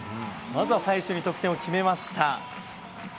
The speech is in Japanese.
まずは最初に得点を決めました。